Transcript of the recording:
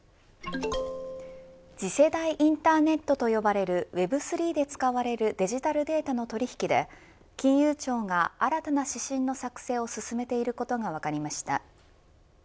次世代インターネットと呼ばれるＷｅｂ３で使われるデジタルデータの取引で金融庁が新たな指針の作成を進めていることが分かりました。